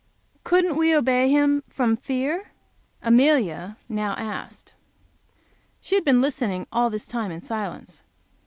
"Couldn't we obey Him from fear?" Amelia now asked. She had been listening all this time in silence.